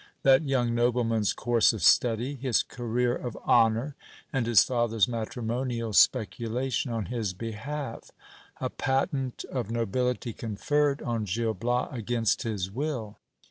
That young nobleman's course of study. His career of honour, and his father's matrimonial speculation on his behalf. A patent of nobility conferred on Gil Bias against his will.